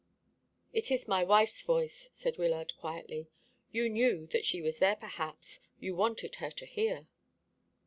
"It is my wife's voice," said Wyllard quietly. "You knew that she was there, perhaps. You wanted her to hear."